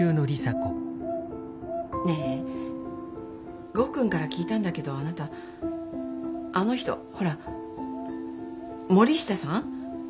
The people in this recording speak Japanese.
ねえ剛くんから聞いたんだけどあなたあの人ほら森下さん？